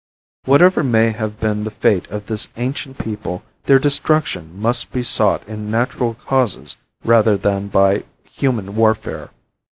Whatever may have been the fate of this ancient people their destruction must be sought in natural causes rather than by human warfare.